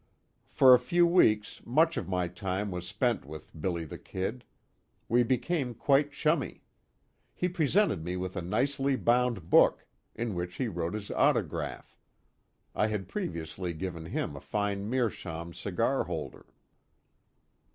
For a few weeks, much of my time was spent with "Billy the Kid." We became quite chummy. He presented me with a nicely bound book, in which he wrote his autograph. I had previously given him a fine meerschaum cigar holder.